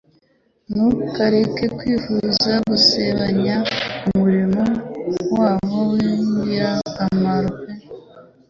Ntureke Kwifuza gusebanya umurimo wabo w'ingirakamaro pe